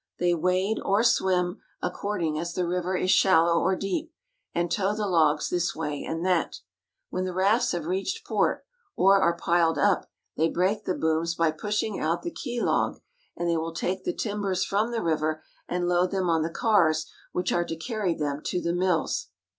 They wade or swim according as the river is shal low or deep, and tow the logs this way and that. When the rafts have reached port or are piled up, they break the booms by pushing out the key log, and they will take the timbers from the river and load them on the cars which are to carry them to the mills.